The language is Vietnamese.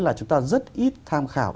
là chúng ta rất ít tham khảo